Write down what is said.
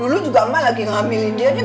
dulu juga mak lagi ngamilin dia nih